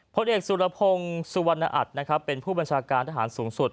พลเอกสุรพงศ์สุวรรณอัตนะครับเป็นผู้บัญชาการทหารสูงสุด